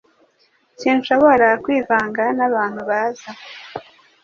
Sinshobora kwivanga nabantu baza